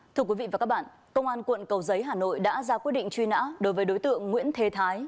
thưa quý vị và các bạn công an quận cầu giấy hà nội đã ra quyết định truy nã đối với đối tượng nguyễn thế thái